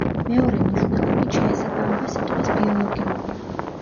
მეორე მნიშვნელობით შეესაბამება სიტყვას „ბიოლოგიური“.